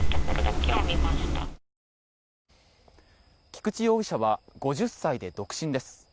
菊池容疑者は５０歳で独身です。